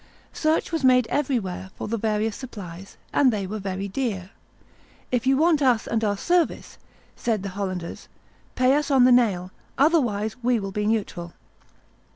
Search was made everywhere for the various supplies, and they were very dear. "If you want us and our service," said the Hollanders, "pay us on the nail; otherwise we will be neutral."